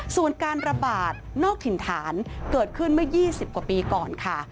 ส่วนการระบาดนอกถิ่นฐานเกิดขึ้นเมื่อ๒๐กว่าปีก่อนค่ะ